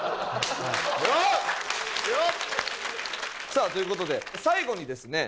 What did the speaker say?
さあという事で最後にですね